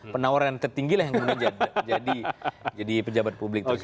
penawaran yang tertinggi lah yang kemudian jadi pejabat publik